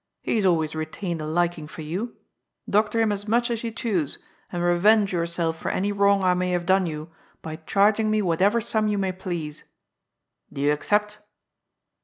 He has always retained a liking for you. Doctor him as much as you choose, and reyenge yourself for any wrong I may haye done you by charging me whateyer sum you may please. Do you accept